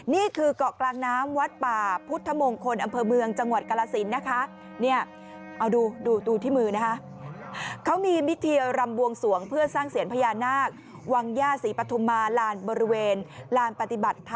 นี่คือเกาะกลางน้ำวัดป่าพุทธมงคลอำเภอเมืองจังหวัดกรสินนะคะ